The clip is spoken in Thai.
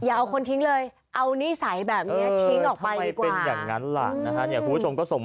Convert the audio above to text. อย่าเอาคนทิ้งเลยเอานิสัยแบบนี้ทิ้งออกไปดีกว่า